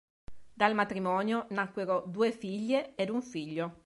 Dal matrimonio, nacquero due figlie ed un figlio.